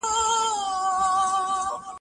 شرنګهار شو د ګامونو په دالان کې